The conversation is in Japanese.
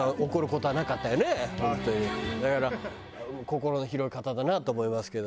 だから心が広い方だなと思いますけど。